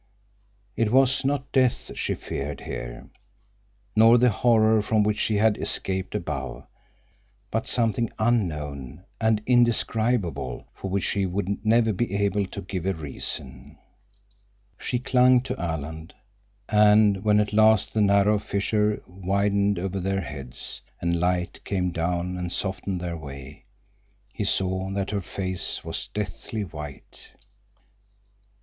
It was not death she feared here, nor the horror from which she had escaped above, but something unknown and indescribable, for which she would never be able to give a reason. She clung to Alan, and when at last the narrow fissure widened over their heads, and light came down and softened their way, he saw that her face was deathly white.